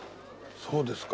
そうですか。